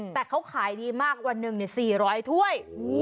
แต่เขาขายดีมากวันหนึ่ง๔๐๐ถ้วย